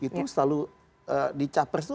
itu selalu di capres itu